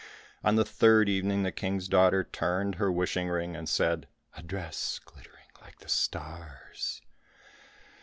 On the third evening, the King's daughter turned her wishing ring, and said, "A dress glittering like the stars."